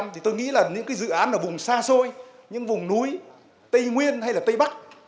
thì tôi nghĩ là những dự án ở vùng xa xôi những vùng núi tây nguyên hay tây bắc